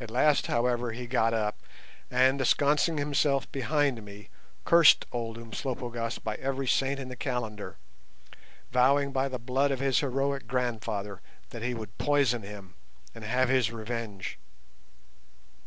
At last, however, he got up and, ensconcing himself behind me, cursed old Umslopogaas by every saint in the calendar, vowing by the blood of his heroic grandfather that he would poison him, and "have his revenge".